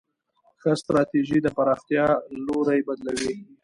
ښه ستراتیژي د پراختیا لوری بدلوي.